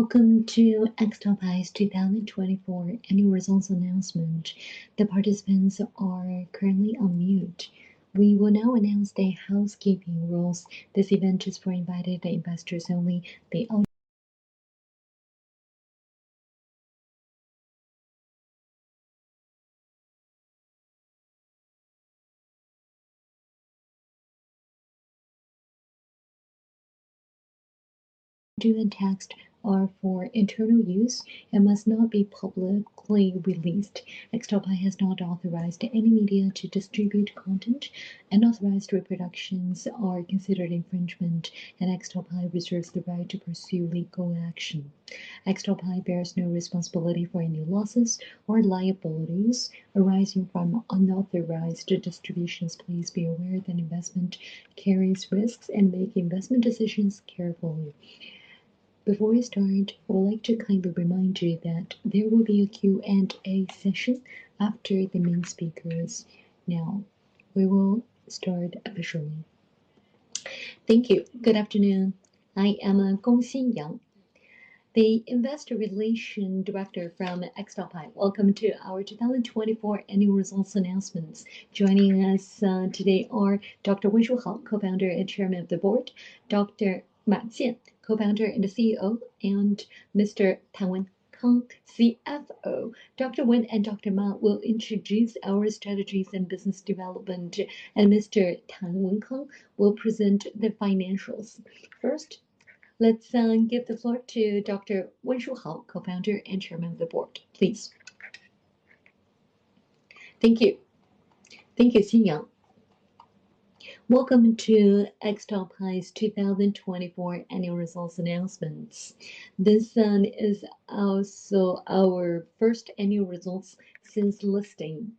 Welcome to XtalPi's 2024 annual results announcement. The participants are currently on mute. We will now announce the housekeeping rules. This event is for invited investors only. The audio and text are for internal use and must not be publicly released. XtalPi has not authorized any media to distribute content. Unauthorized reproductions are considered infringement, and XtalPi reserves the right to pursue legal action. XtalPi bears no responsibility for any losses or liabilities arising from unauthorized distributions. Please be aware that investment carries risks, and make investment decisions carefully. Before we start, I would like to kindly remind you that there will be a Q&A session after the main speakers. We will start officially. Thank you. Good afternoon. I am Gong Xinyang, the Investor Relations Director from XtalPi. Welcome to our 2024 annual results announcements. Joining us today are Dr. Wen Shuhao, Co-founder and Chairman of the Board; Dr. Ma Jian, Co-founder and the CEO; and Mr. Tan Wenkang, CFO. Dr. Wen and Dr. Ma will introduce our strategies and business development. Mr. Tan Wenkang will present the financials. First, let's give the floor to Dr. Wen Shuhao, Co-founder and Chairman of the Board, please. Thank you. Thank you, Xinyang. Welcome to XtalPi's 2024 annual results announcements. This is also our first annual results since listing.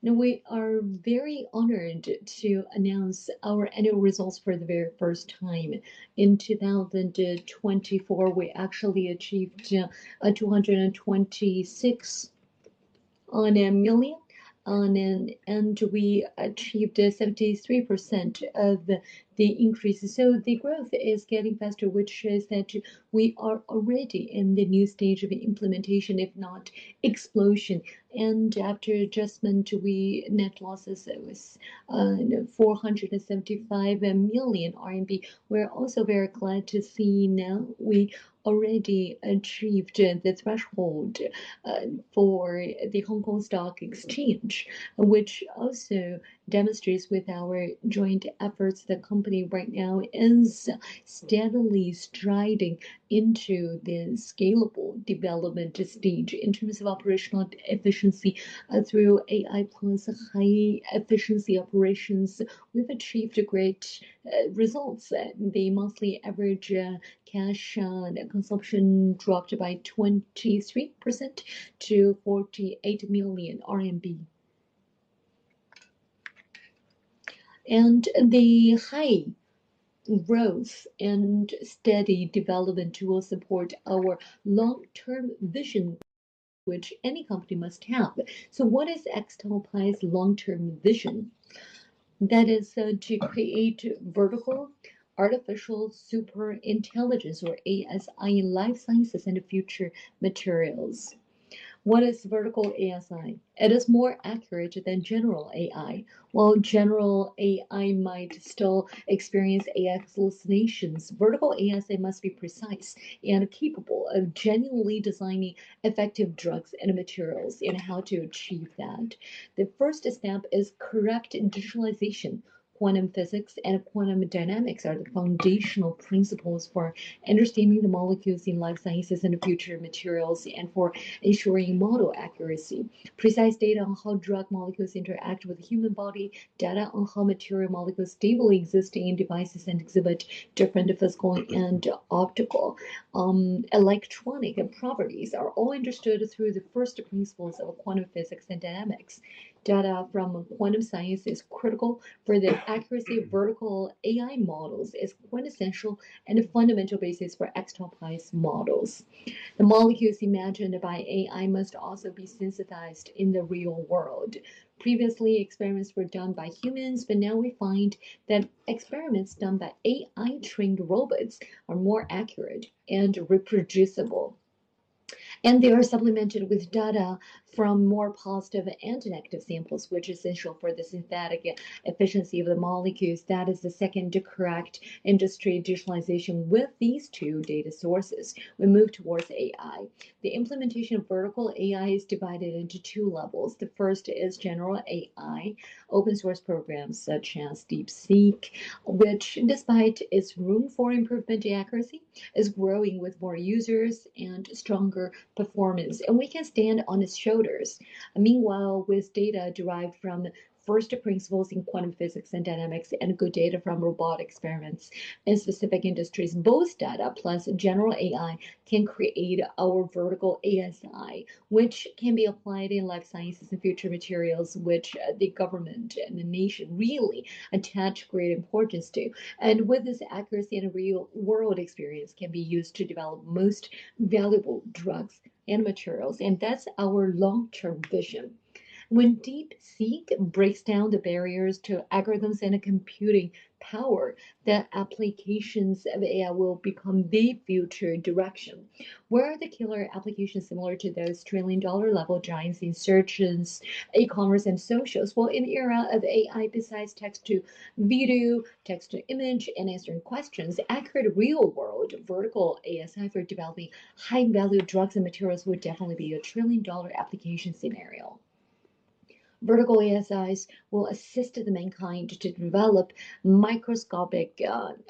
We are very honored to announce our annual results for the very first time. In 2024, we actually achieved 226 million. We achieved a 73% of the increases. The growth is getting faster, which shows that we are already in the new stage of implementation, if not explosion. After adjustment, net losses, it was 475 million RMB. We're also very glad to see now we already achieved the threshold for the Hong Kong Stock Exchange, which also demonstrates with our joint efforts, the company right now is steadily striding into the scalable development stage. In terms of operational efficiency, through AI plus high-efficiency operations, we've achieved great results. The monthly average cash consumption dropped by 23% to CNY 48 million. The high growth and steady development will support our long-term vision, which any company must have. What is XtalPi's long-term vision? That is to create vertical artificial super intelligence or ASI in life sciences and future materials. What is vertical ASI? It is more accurate than general AI. While general AI might still experience AI hallucinations, vertical ASI must be precise and capable of genuinely designing effective drugs and materials. How to achieve that. The first step is correct digitalization. Quantum physics and quantum dynamics are the foundational principles for understanding the molecules in life sciences and future materials, for ensuring model accuracy. Precise data on how drug molecules interact with the human body, data on how material molecules stably exist in devices and exhibit different physical and optical electronic properties are all understood through the first principles of quantum physics and dynamics. Data from quantum science is critical for the accuracy of vertical AI models, is quintessential, a fundamental basis for XtalPi's models. The molecules imagined by AI must also be synthesized in the real world. Previously, experiments were done by humans. Now we find that experiments done by AI-trained robots are more accurate and reproducible. They are supplemented with data from more positive and negative samples, which is essential for the synthetic efficiency of the molecules. That is the second correct industry digitalization. With these two data sources, we move towards AI. The implementation of vertical AI is divided into two levels. The first is general AI, open source programs such as DeepSeek, which despite its room for improvement in accuracy, is growing with more users and stronger performance. We can stand on its shoulders. Meanwhile, with data derived from first principles in quantum physics and dynamics, and good data from robot experiments in specific industries, both data plus general AI can create our vertical ASI, which can be applied in life sciences and future materials, which the government and the nation really attach great importance to. With this accuracy and real-world experience, can be used to develop most valuable drugs and materials, and that is our long-term vision. When DeepSeek breaks down the barriers to algorithms and computing power, the applications of AI will become the future direction. Where are the killer applications similar to those trillion-dollar level giants in searches, e-commerce, and socials? Well, in the era of AI, besides text-to-video, text-to-image, and answering questions, accurate real-world vertical ASI for developing high-value drugs and materials would definitely be a trillion-dollar application scenario. Vertical ASIs will assist mankind to develop microscopic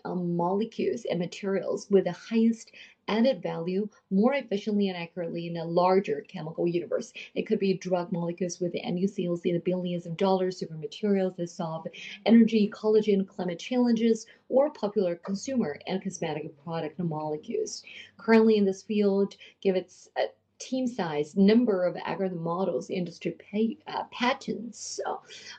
molecules and materials with the highest added value more efficiently and accurately in a larger chemical universe. It could be drug molecules with NUCs in the billions of dollars, super materials to solve energy, collagen, climate challenges, or popular consumer and cosmetic product molecules. Currently in this field, given its team size, number of algorithm models, industry patents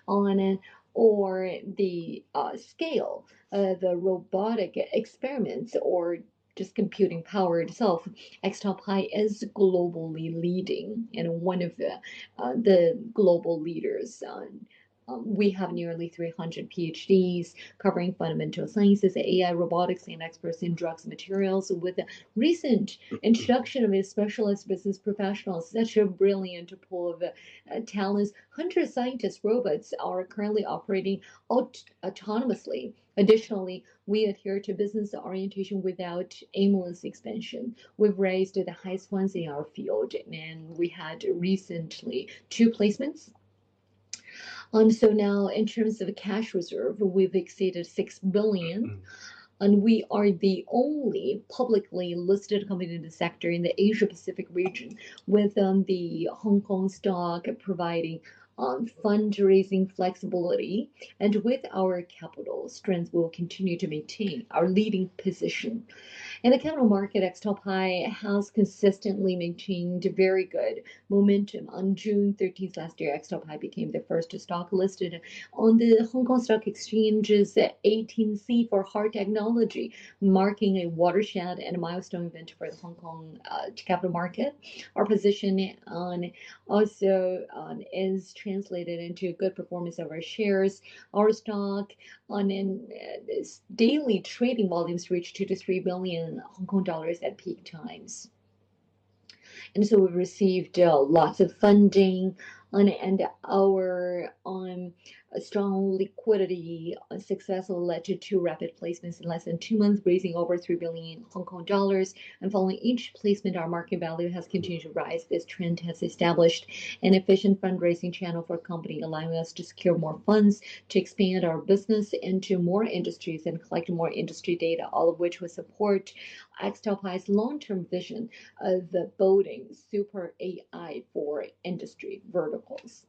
on it, or the scale of the robotic experiments, or just computing power itself, XtalPi is globally leading and one of the global leaders. We have nearly 300 PhDs covering fundamental sciences, AI, robotics, and experts in drugs materials. With the recent introduction of specialist business professionals, such a brilliant pool of talents, 100 scientist robots are currently operating autonomously. Additionally, we adhere to business orientation without aimless expansion. We have raised the highest funds in our field. We had recently two placements. Now in terms of cash reserve, we have exceeded 6 billion. We are the only publicly listed company in the sector in the Asia-Pacific region, with the Hong Kong Stock providing fundraising flexibility. With our capital strength, we will continue to maintain our leading position. In the capital market, XtalPi has consistently maintained very good momentum. On June 13th last year, XtalPi became the first stock listed on the Hong Kong Stock Exchange's Chapter 18C for hard technology, marking a watershed and milestone event for the Hong Kong capital market. Our position also is translated into good performance of our shares, our stock, and its daily trading volumes reach 2 billion-3 billion Hong Kong dollars at peak times. We have received lots of funding and our strong liquidity success led to two rapid placements in less than two months, raising over 3 billion Hong Kong dollars. Following each placement, our market value has continued to rise. This trend has established an efficient fundraising channel for company, allowing us to secure more funds to expand our business into more industries and collect more industry data, all of which will support XtalPi's long-term vision of the building super AI for industry verticals.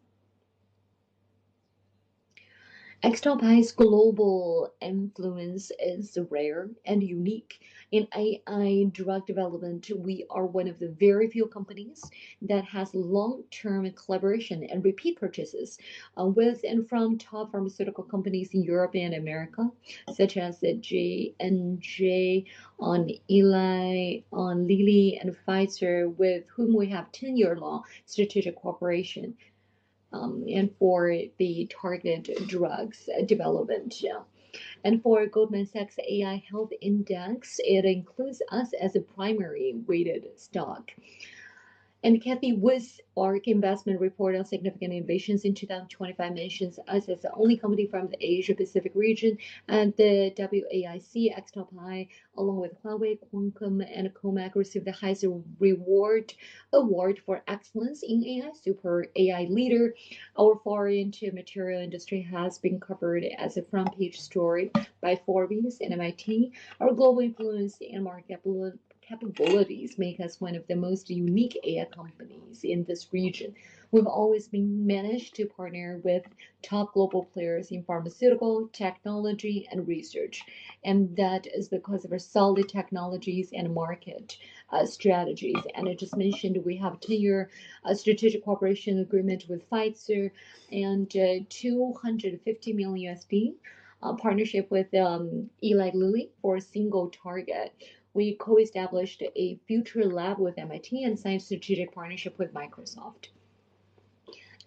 XtalPi's global influence is rare and unique. In AI drug development, we are one of the very few companies that has long-term collaboration and repeat purchases with and from top pharmaceutical companies in Europe and America, such as the J&J, Eli Lilly, and Pfizer, with whom we have 10-year long strategic cooperation for the targeted drugs development. For Goldman Sachs China AI Medical Care Index, it includes us as a primary rated stock. Cathie, with ARK Invest report on significant innovations in 2025, mentions us as the only company from the Asia-Pacific region. The WAIC, XtalPi, along with Huawei, Qualcomm, and COMAC, received the highest award for excellence in AI, Super AI Leader. Our foray into material industry has been covered as a front page story by Forbes and MIT. Our global influence and market capabilities make us one of the most unique AI companies in this region. We've always managed to partner with top global players in pharmaceutical, technology, and research. That is because of our solid technologies and market strategies. I just mentioned, we have a 10-year strategic cooperation agreement with Pfizer and a $250 million partnership with Eli Lilly for a single target. We co-established a future lab with MIT and signed a strategic partnership with Microsoft.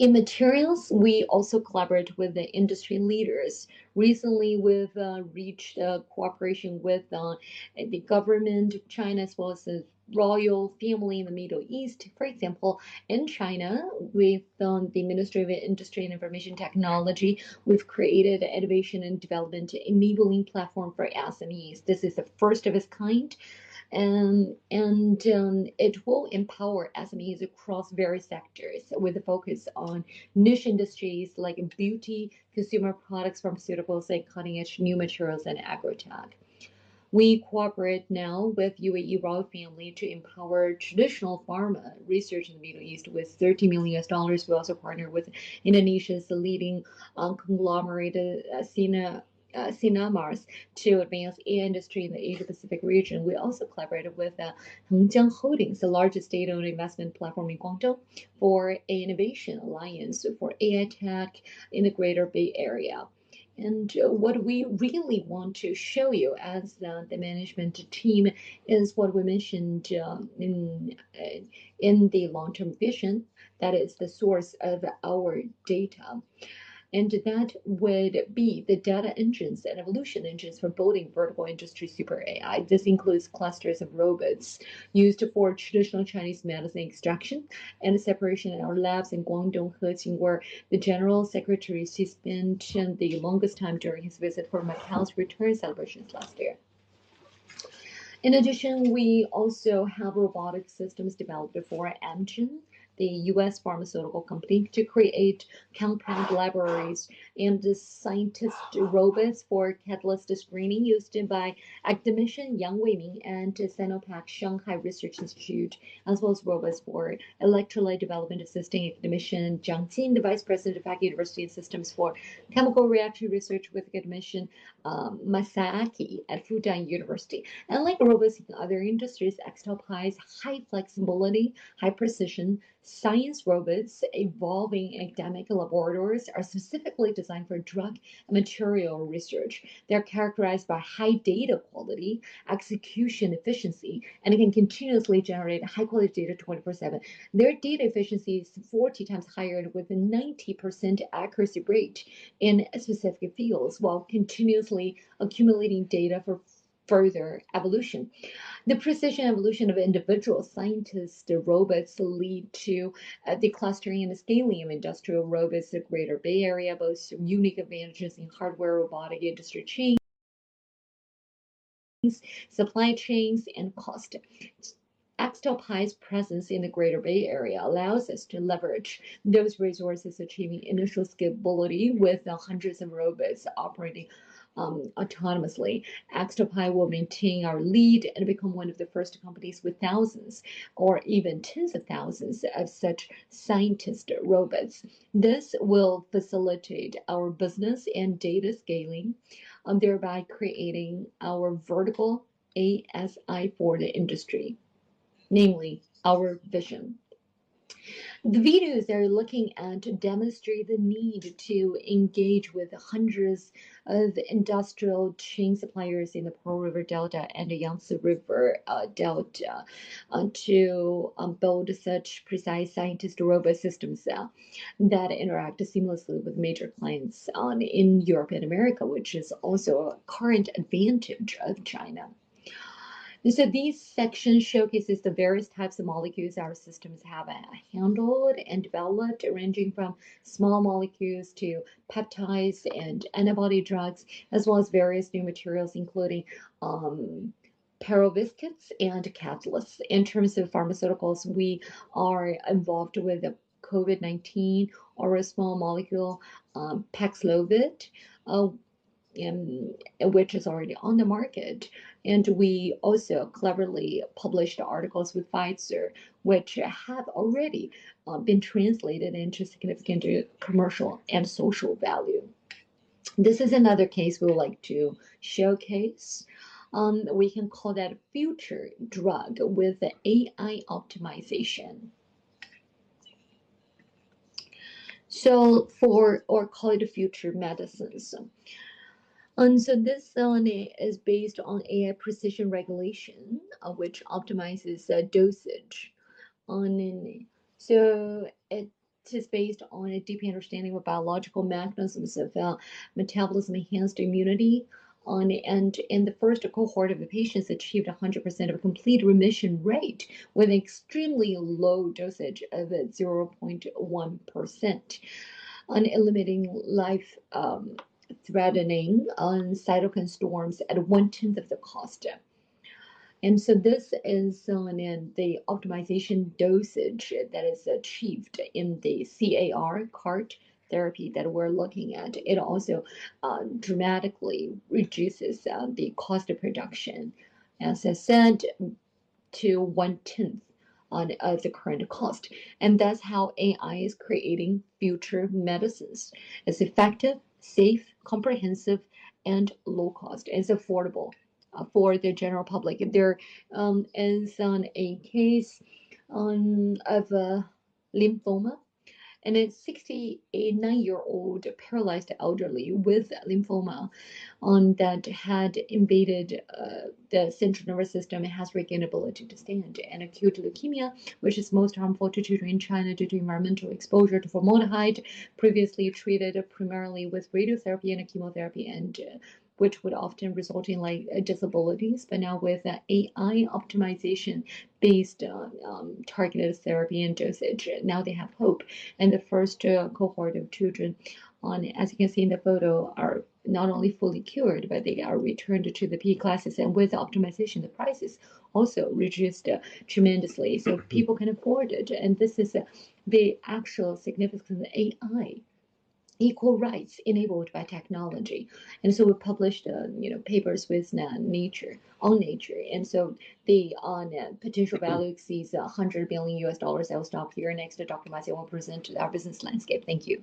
In materials, we also collaborate with the industry leaders. Recently, we've reached a cooperation with the government of China, as well as the royal family in the Middle East. For example, in China, with the Ministry of Industry and Information Technology, we've created an innovation and development enabling platform for SMEs. This is the first of its kind. It will empower SMEs across various sectors with a focus on niche industries like beauty, consumer products, pharmaceuticals, and cutting-edge new materials and agrotech. We cooperate now with UAE royal family to empower traditional pharma research in the Middle East with $30 million. We also partner with Indonesia's leading conglomerate, Sinar Mas, to advance AI industry in the Asia-Pacific region. We also collaborated with Hengdian Holdings, the largest data investment platform in Guangzhou, for an innovation alliance for AI tech in the Greater Bay Area. What we really want to show you as the management team is what we mentioned in the long-term vision, that is the source of our data. That would be the data engines and evolution engines for building vertical industry super AI. This includes clusters of robots used for Traditional Chinese Medicine extraction and separation in our labs in Guangdong, Hengqin, where the general secretary spent the longest time during his visit for Macau's return celebrations last year. In addition, we also have robotic systems developed for Amgen, the U.S. pharmaceutical company, to create compound libraries and scientist robots for catalyst screening used by Academician Yang Weiming and Sinopec Shanghai Research Institute of Petrochemical Technology, as well as robots for electrolyte development assisting Academician Jiang Qin, the Vice President of Fudan University, and systems for chemical reaction research with Academician Masaaki at Fudan University. Unlike robots in other industries, XtalPi's high flexibility, high precision science robots evolving in academic laboratories are specifically designed for drug material research. They're characterized by high data quality, execution efficiency, and it can continuously generate high-quality data 24/7. Their data efficiency is 40 times higher with a 90% accuracy rate in specific fields, while continuously accumulating data for further evolution. The precision evolution of individual scientist robots lead to the clustering and scaling of industrial robots. The Greater Bay Area boasts unique advantages in hardware, robotic industry chains, supply chains, and cost. XtalPi's presence in the Greater Bay Area allows us to leverage those resources, achieving initial scalability with hundreds of robots operating autonomously. XtalPi will maintain our lead and become one of the first companies with thousands or even tens of thousands of such scientist robots. This will facilitate our business and data scaling, thereby creating our vertical ASI for the industry, namely our vision. The videos they're looking at demonstrate the need to engage with hundreds of industrial chain suppliers in the Pearl River Delta and the Yangtze River Delta to build such precise scientist robot systems that interact seamlessly with major clients in Europe and America, which is also a current advantage of China. These sections showcase the various types of molecules our systems have handled and developed, ranging from small molecules to peptides and antibody drugs, as well as various new materials, including perovskites and catalysts. In terms of pharmaceuticals, we are involved with the COVID-19 oral small molecule, PAXLOVID, which is already on the market. We also cleverly published articles with Pfizer, which have already been translated into significant commercial and social value. This is another case we would like to showcase. We can call that future drug with AI optimization. Call it future medicines. This is based on AI precision regulation, which optimizes dosage. It is based on a deep understanding of biological mechanisms of metabolism-enhanced immunity. The first cohort of patients achieved 100% of complete remission rate with extremely low dosage of 0.1%, eliminating life-threatening cytokine storms at 1/10 of the cost. This is the optimization dosage that is achieved in the CAR-T therapy that we're looking at. It also dramatically reduces the cost of production, as I said, to 1/10 of the current cost. That's how AI is creating future medicines. It's effective, safe, comprehensive, and low cost. It's affordable for the general public. There is a case of a lymphoma in a 69-year-old paralyzed elderly with lymphoma that had invaded the central nervous system and has regained ability to stand. Acute leukemia, which is most harmful to children in China due to environmental exposure to formaldehyde. Previously treated primarily with radiotherapy and chemotherapy, which would often result in disabilities. Now with AI optimization based on targeted therapy and dosage, now they have hope. The first cohort of children, as you can see in the photo, are not only fully cured, but they are returned to the PE classes. With optimization, the prices also reduced tremendously so people can afford it. This is the actual significance of AI. Equal rights enabled by technology. We published papers on "Nature." The potential value exceeds $100 billion. I will stop here. Next, Dr. Ma Jian will present our business landscape. Thank you.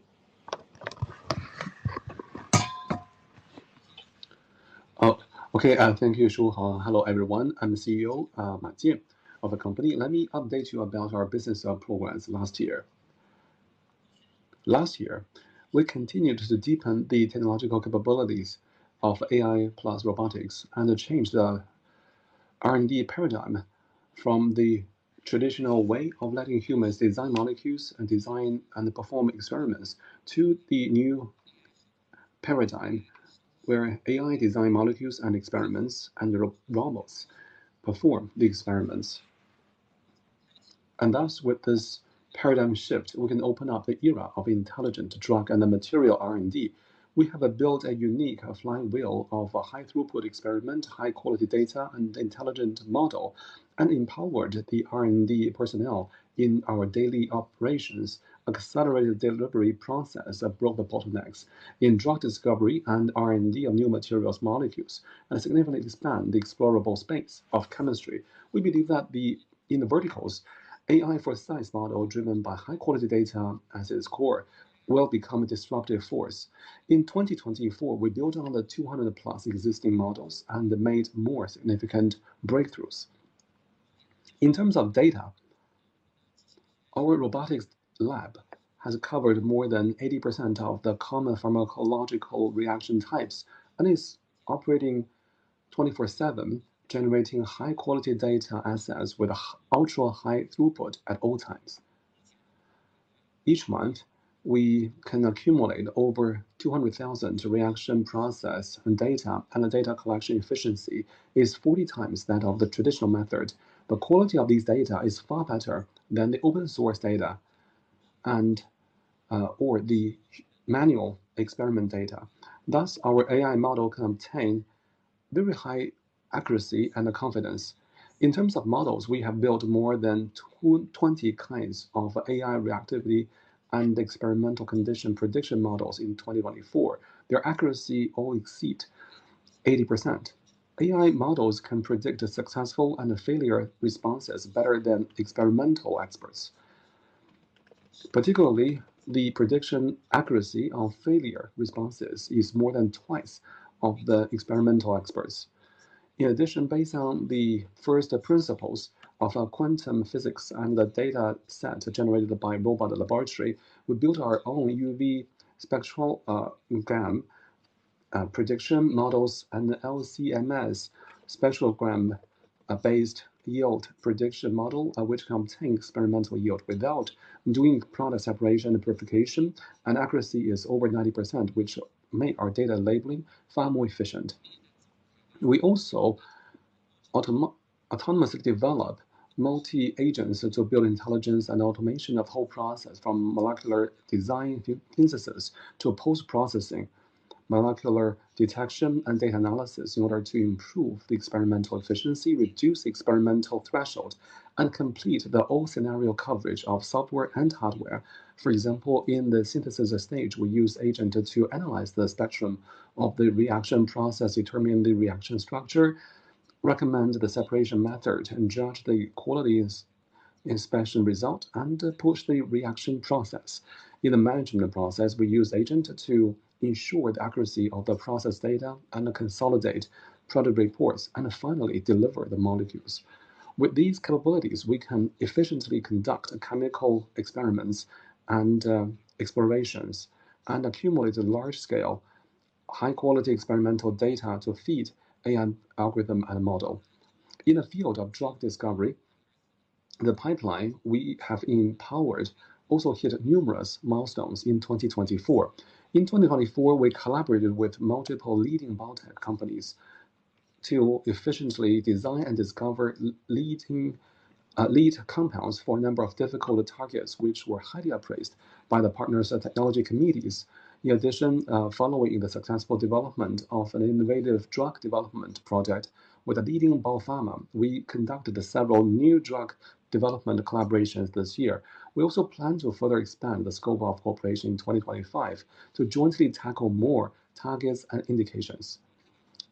Okay. Thank you, Shuhao. Hello, everyone. I am the CEO, Ma Jian, of the company. Let me update you about our business progress last year. Last year, we continued to deepen the technological capabilities of AI plus robotics and change the R&D paradigm from the traditional way of letting humans design molecules and design and perform experiments, to the new paradigm where AI design molecules and experiments and robots perform the experiments. Thus, with this paradigm shift, we can open up the era of intelligent drug and the material R&D. We have built a unique flying wheel of a high throughput experiment, high-quality data, and intelligent model, and empowered the R&D personnel in our daily operations, accelerated delivery process that broke the bottlenecks in drug discovery and R&D of new materials molecules, and significantly expand the explorable space of chemistry. We believe that in verticals, AI-first science model driven by high-quality data as its core will become a disruptive force. In 2024, we built another 200-plus existing models and made more significant breakthroughs. In terms of data, our robotics lab has covered more than 80% of the common pharmacological reaction types and is operating 24/7, generating high-quality data assets with ultra-high throughput at all times. Each month, we can accumulate over 200,000 reaction process and data, and the data collection efficiency is 40 times that of the traditional method. The quality of these data is far better than the open-source data or the manual experiment data. Thus, our AI model can obtain very high accuracy and confidence. In terms of models, we have built more than 20 kinds of AI reactivity and experimental condition prediction models in 2024. Their accuracy all exceed 80%. AI models can predict successful and failure responses better than experimental experts. Particularly, the prediction accuracy of failure responses is more than twice of the experimental experts. In addition, based on the first principles of quantum physics and the data set generated by mobile laboratory, we built our own UV spectrogram prediction models and LC-MS spectrogram-based yield prediction model, which can obtain experimental yield without doing product separation and purification, and accuracy is over 90%, which made our data labeling far more efficient. We also autonomously develop multi-agents to build intelligence and automation of whole process from molecular design synthesis to post-processing, molecular detection, and data analysis in order to improve the experimental efficiency, reduce experimental threshold, and complete the all-scenario coverage of software and hardware. For example, in the synthesis stage, we use agent to analyze the spectrum of the reaction process, determine the reaction structure, recommend the separation method, and judge the quality inspection result, and push the reaction process. In the management process, we use agent to ensure the accuracy of the process data and consolidate product reports, and finally, deliver the molecules. With these capabilities, we can efficiently conduct chemical experiments and explorations and accumulate large-scale, high-quality experimental data to feed AI algorithm and model. In the field of drug discovery, the pipeline we have empowered also hit numerous milestones in 2024. In 2024, we collaborated with multiple leading biotech companies to efficiently design and discover lead compounds for a number of difficult targets, which were highly appraised by the partners and technology committees. In addition, following the successful development of an innovative drug development project with a leading bio-pharma, we conducted several new drug development collaborations this year. We also plan to further expand the scope of cooperation in 2025 to jointly tackle more targets and indications.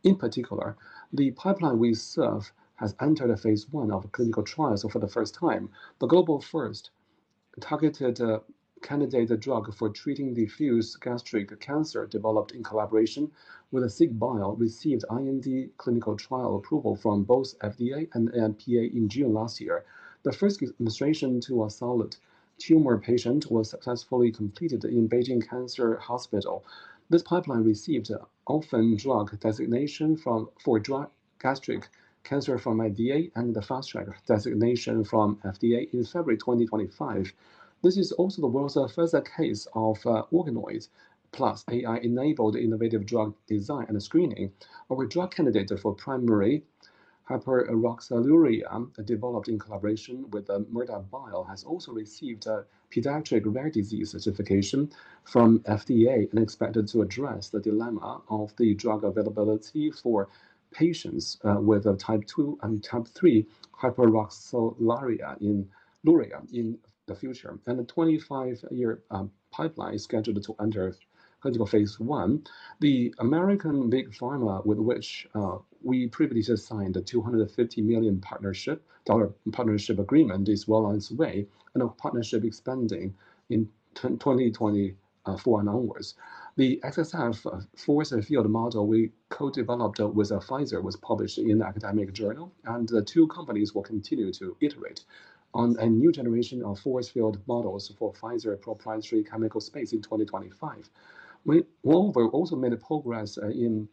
In particular, the pipeline we serve has entered a phase I of clinical trials for the first time. The global-first targeted candidate drug for treating diffuse gastric cancer developed in collaboration with Signet Therapeutics, received IND clinical trial approval from both FDA and NMPA in June last year. The first administration to a solid tumor patient was successfully completed in Beijing Cancer Hospital. This pipeline received Orphan Drug Designation for gastric cancer from FDA and the Fast Track designation from FDA in February 2025. This is also the world's first case of organoids plus AI-enabled innovative drug design and screening. Our drug candidate for primary hyperoxaluria developed in collaboration with Merida Biosciences has also received a Rare Pediatric Disease Designation from FDA and expected to address the dilemma of the drug availability for patients with type 3 hyperoxaluria in the future. The 25-year pipeline is scheduled to enter clinical phase I. The American Big Pharma, with which we previously signed a $250 million partnership agreement, is well on its way and our partnership expanding in 2024 and onwards. The XFF force field model we co-developed with Pfizer was published in academic journal, the two companies will continue to iterate on a new generation of force field models for Pfizer proprietary chemical space in 2025. We moreover also made progress in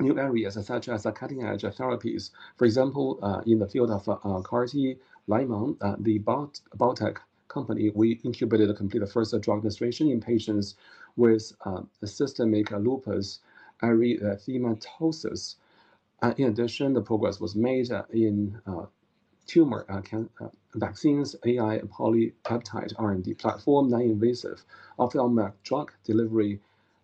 new areas such as cutting-edge therapies. For example, in the field of CAR-T, Limo, the biotech company we incubated completed the first drug administration in patients with systemic lupus erythematosus. In addition, progress was made in tumor vaccines, AI polypeptide R&D platform, non-invasive ophthalmic drug delivery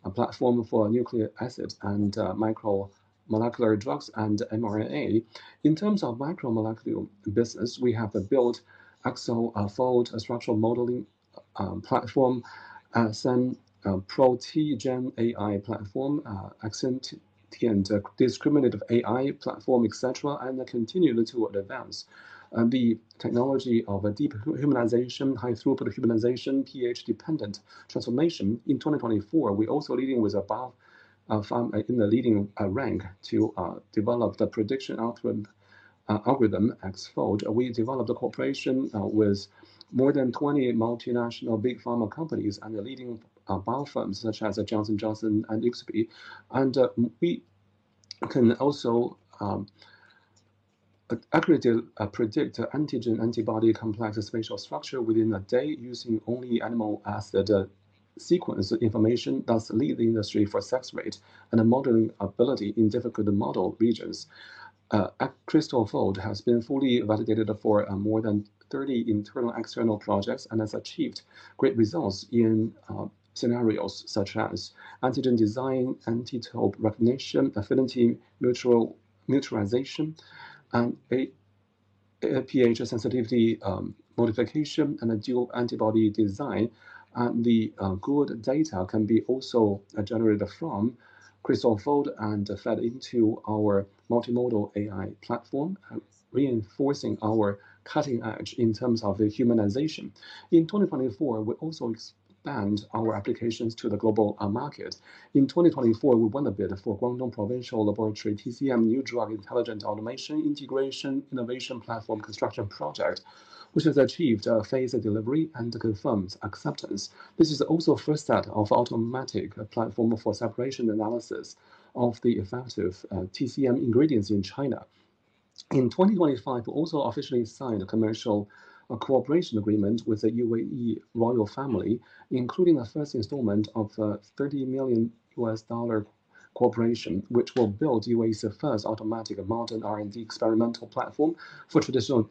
platform for nucleic acids and small molecule drugs and mRNA. In terms of small molecule business, we have built XtalFold, a structural modeling platform, XenProT AI platform, Xentient discriminative AI platform, et cetera, continue to advance the technology of deep humanization, high throughput humanization, pH-dependent transformation. In 2024, we're also in the leading rank to develop the prediction algorithm, XtalFold. We developed cooperation with more than 20 multinational big pharma companies and leading bio firms such as Johnson & Johnson and Expi. We can also accurately predict antigen-antibody complex spatial structure within a day using only amino acid sequence information, thus lead the industry for success rate and the modeling ability in difficult model regions. XtalFold has been fully validated for more than 30 internal external projects and has achieved great results in scenarios such as antigen design, epitope recognition, affinity neutralization, pH sensitivity modification, and dual antibody design. The good data can be also generated from XtalFold and fed into our multimodal AI platform, reinforcing our cutting edge in terms of humanization. In 2024, we also expand our applications to the global market. In 2024, we won a bid for Guangdong Provincial Laboratory TCM New Drug Intelligent Automation Integration Innovation Platform Construction project, which has achieved phase delivery and confirmed acceptance. This is also the first set of automatic platform for separation analysis of the effective TCM ingredients in China. In 2025, we also officially signed a commercial cooperation agreement with the UAE royal family, including a first installment of $30 million cooperation, which will build UAE's first automatic modern R&D experimental platform for traditional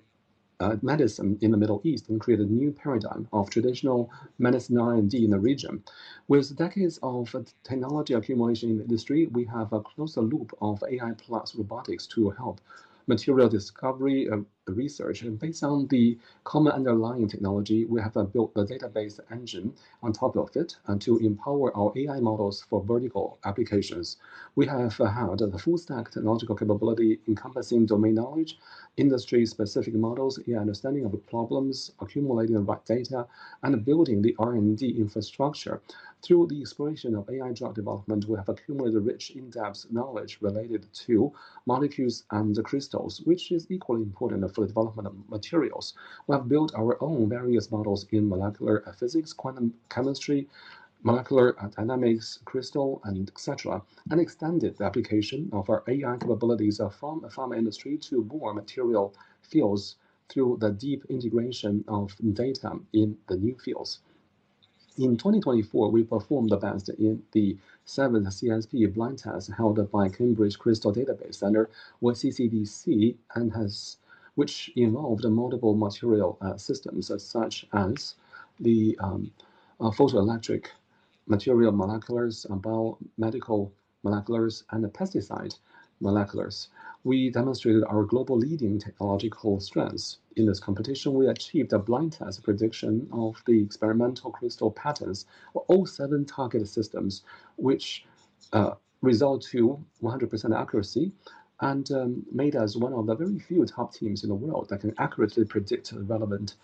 medicine in the Middle East and create a new paradigm of traditional medicine R&D in the region. With decades of technology accumulation in the industry, we have a closer loop of AI plus robotics to help material discovery research. Based on the common underlying technology, we have built a database engine on top of it to empower our AI models for vertical applications. We have had a full stack technological capability encompassing domain knowledge, industry specific models, AI understanding of the problems, accumulating the right data, and building the R&D infrastructure. Through the exploration of AI drug development, we have accumulated rich, in-depth knowledge related to molecules and crystals, which is equally important for the development of materials. We have built our own various models in molecular physics, quantum chemistry, molecular dynamics, crystal, et cetera, and extended the application of our AI capabilities from pharma industry to more material fields through the deep integration of data in the new fields. In 2024, we performed advanced in the seventh CSP blind test held by Cambridge Crystallographic Data Centre, or CCDC, which involved multiple material systems such as the photoelectric material molecules, biomedical molecules, and pesticide molecules. We demonstrated our global leading technological strengths in this competition. We achieved a blind test prediction of the experimental crystal patterns for all seven target systems, which result to 100% accuracy and made us one of the very few top teams in the world that can accurately predict the relevant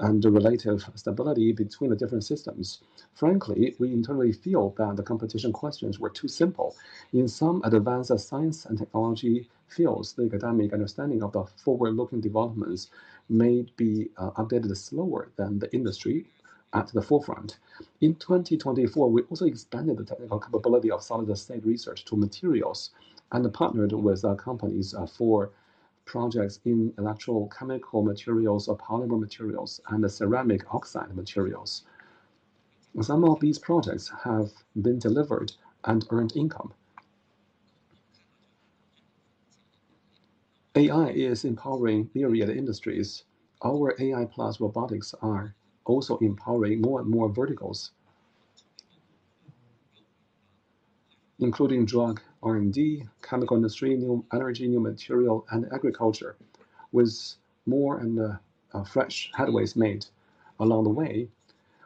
and the relative stability between the different systems. Frankly, we internally feel that the competition questions were too simple. In some advanced science and technology fields, the academic understanding of the forward-looking developments may be updated slower than the industry at the forefront. In 2024, we also expanded the technical capability of solid-state research to materials and partnered with companies for projects in electrochemical materials or polymer materials and ceramic oxide materials. Some of these projects have been delivered and earned income. AI is empowering myriad industries. Our AI plus robotics are also empowering more and more verticals including drug R&D, chemical industry, new energy, new material, and agriculture, with more fresh pathways made along the way.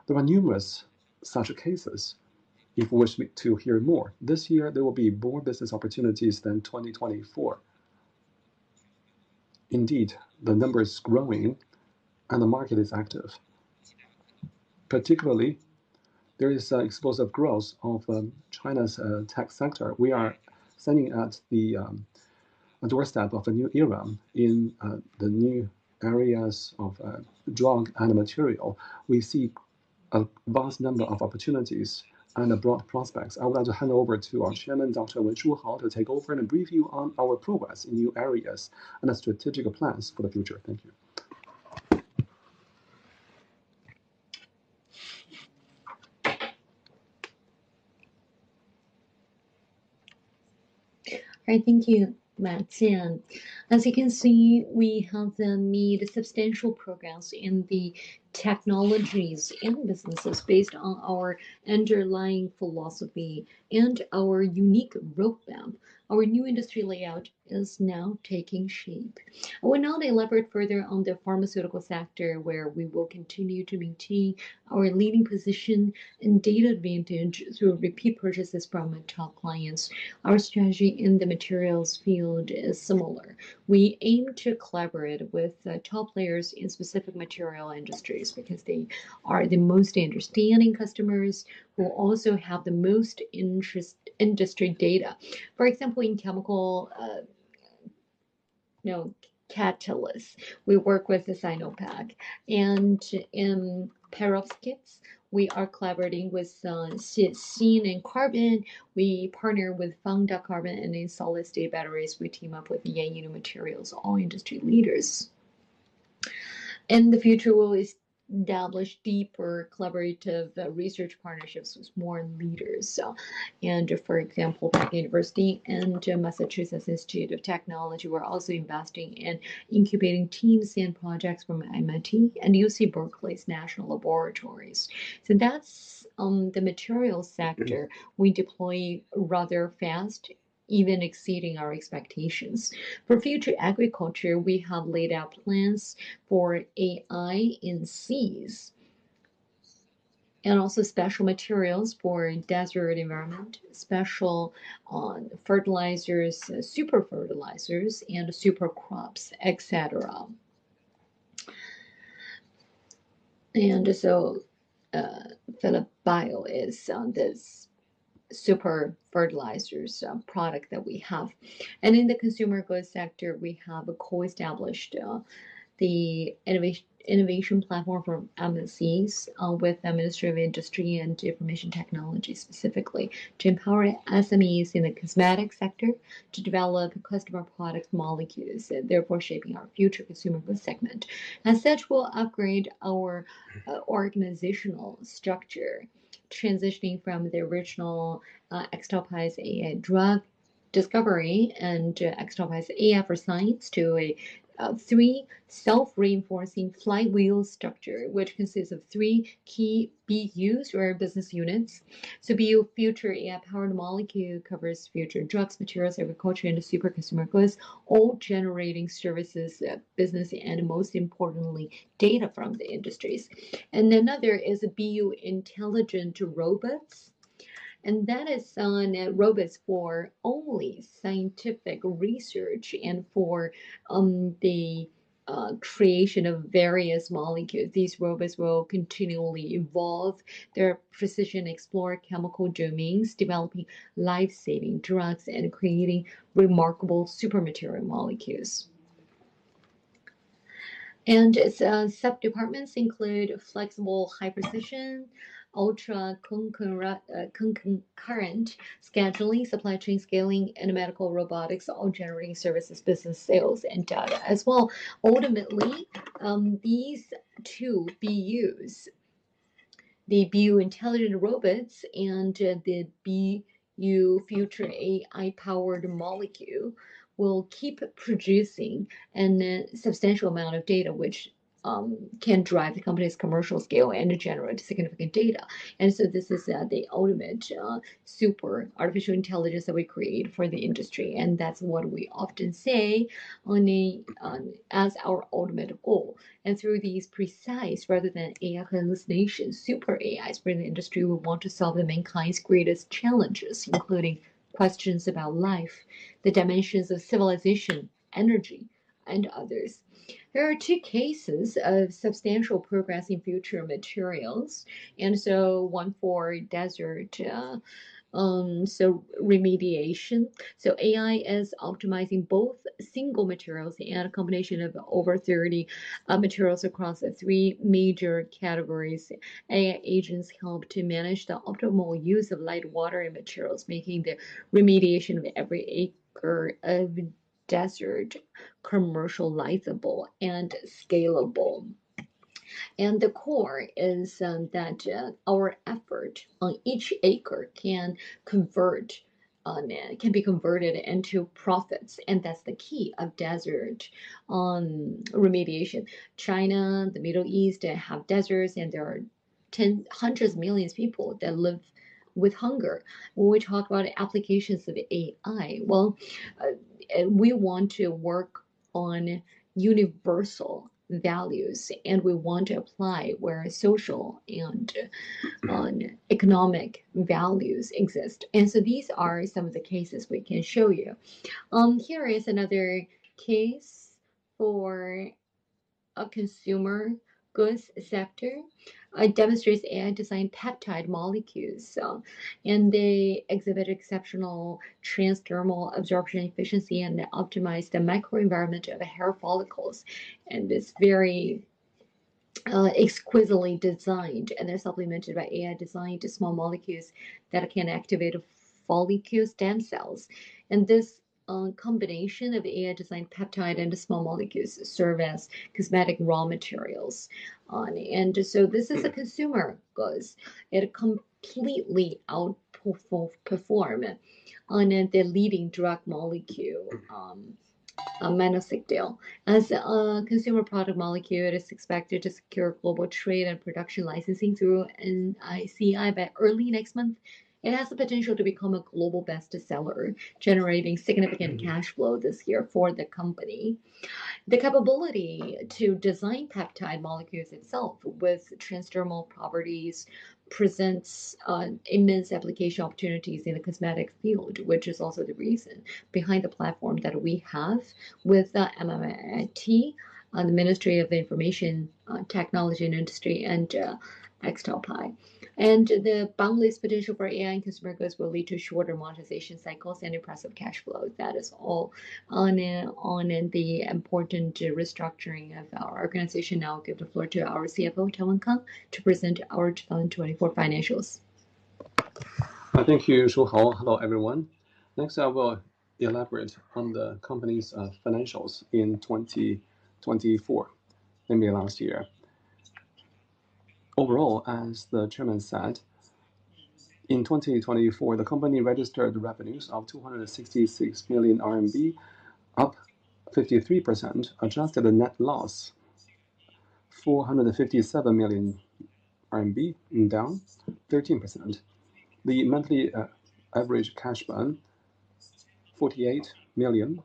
There are numerous such cases. If you wish to hear more, this year, there will be more business opportunities than 2024. Indeed, the number is growing, and the market is active. Particularly, there is explosive growth of China's tech sector. We are standing at the doorstep of a new era. In the new areas of drug and material, we see a vast number of opportunities and broad prospects. I would like to hand over to our Chairman, Dr. Wen Shuhao, to take over and brief you on our progress in new areas and strategic plans for the future. Thank you. Thank you, Max. As you can see, we have made substantial progress in the technologies and businesses based on our underlying philosophy and our unique roadmap. Our new industry layout is now taking shape. I will now elaborate further on the pharmaceutical sector, where we will continue to maintain our leading position and data advantage through repeat purchases from our top clients. Our strategy in the materials field is similar. We aim to collaborate with top players in specific material industries because they are the most understanding customers who also have the most industry data. For example, in chemical catalyst, we work with Sinopec, in perovskites, we are collaborating with CN Carbon. We partner with Fangda Carbon, and in solid-state batteries, we team up with Yunnano Materials, all industry leaders. In the future, we will establish deeper collaborative research partnerships with more leaders. For example, Peking University and Massachusetts Institute of Technology, we are also investing in incubating teams and projects from MIT and UC Berkeley's national laboratories. That is on the material sector. We deploy rather fast, even exceeding our expectations. For future agriculture, we have laid out plans for AI and SEAs, also special materials for desert environment, special fertilizers, super fertilizers, and super crops, et cetera. Phillip Bio is this super fertilizers product that we have. In the consumer goods sector, we have co-established the innovation platform for MSCs with the Ministry of Industry and Information Technology, specifically to empower SMEs in the cosmetic sector to develop customer product molecules, therefore shaping our future consumer goods segment. We will upgrade our organizational structure, transitioning from the original XtalPi's AI drug discovery and XtalPi's AI for science to a three self-reinforcing flywheel structure, which consists of 3 key BUs or business units. BU Future AI-powered Molecule covers future drugs, materials, agriculture, and super consumer goods, all generating services, business, and most importantly, data from the industries. Another is BU Intelligent Robots, and that is on robots for only scientific research and for the creation of various molecules. These robots will continually evolve their precision, explore chemical domains, developing life-saving drugs, and creating remarkable super material molecules. Its sub-departments include flexible, high-precision, ultra-concurrent scheduling, supply chain scaling, and medical robotics, all generating services, business, sales, and data as well. These two BUs, the BU Intelligent Robots and the BU Future AI-powered Molecule, will keep producing a substantial amount of data which can drive the company's commercial scale and generate significant data. This is the ultimate super artificial intelligence that we create for the industry, and that is what we often say as our ultimate goal. Through these precise, rather than AI hallucinations, super AIs for the industry will want to solve the mankind's greatest challenges, including questions about life, the dimensions of civilization, energy, and others. There are two cases of substantial progress in future materials, one for desert remediation. AI is optimizing both single materials and a combination of over 30 materials across the 3 major categories. AI agents help to manage the optimal use of light, water, and materials, making the remediation of every acre of desert commercializable and scalable. The core is that our effort on each acre can be converted into profits, that's the key of desert remediation. China, the Middle East have deserts, there are hundreds of millions of people that live with hunger. We talk about applications of AI, well, we want to work on universal values, we want to apply where social and economic values exist. These are some of the cases we can show you. Here is another case for a consumer goods sector. It demonstrates AI-designed peptide molecules, they exhibit exceptional transdermal absorption efficiency and optimize the microenvironment of hair follicles. It's very exquisitely designed and is supplemented by AI-designed small molecules that can activate hair follicle stem cells. This combination of AI-designed peptide into small molecules serve as cosmetic raw materials. This is a consumer goods. It completely outperforms the leading drug molecule, minoxidil. As a consumer product molecule, it is expected to secure global trade and production licensing through NICI by early next month. It has the potential to become a global best seller, generating significant cash flow this year for the company. The capability to design peptide molecules itself with transdermal properties presents immense application opportunities in the cosmetic field, which is also the reason behind the platform that we have with MIIT, the Ministry of Industry and Information Technology, and XtalPi. The boundless potential for AI consumer goods will lead to shorter monetization cycles and impressive cash flow. That is all on the important restructuring of our organization. Now I'll give the floor to our CFO, Telvin Kong, to present our 2024 financials. Thank you, Shuhao. Hello, everyone. Next, I will elaborate on the company's financials in 2024, maybe last year. Overall, as the chairman said, in 2024, the company registered revenues of 266 million RMB, up 53%, adjusted a net loss 457 million RMB, down 13%. The monthly average cash burn, 48 million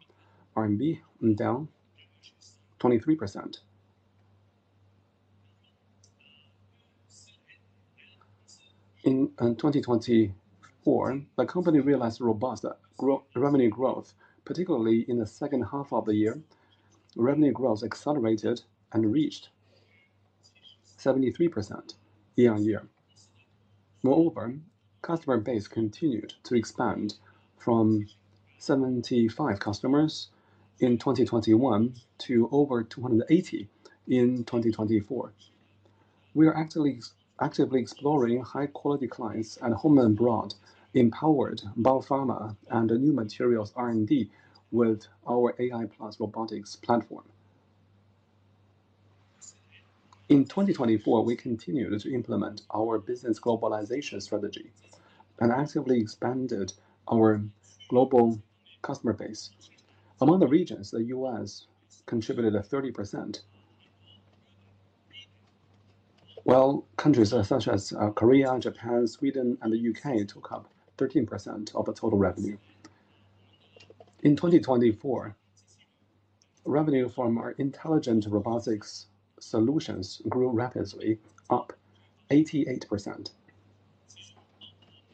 RMB, down 23%. In 2024, the company realized robust revenue growth, particularly in the second half of the year. Revenue growth accelerated and reached 73% year-over-year. Moreover, customer base continued to expand from 75 customers in 2021 to over 280 in 2024. We are actively exploring high-quality clients at home and abroad, empowered biopharma and new materials R&D with our AI plus robotics platform. In 2024, we continued to implement our business globalization strategy and actively expanded our global customer base. Among the regions, the U.S. contributed at 30%, while countries such as Korea, Japan, Sweden, and the U.K. took up 13% of the total revenue. In 2024, revenue from our intelligent robotics solutions grew rapidly, up 88%.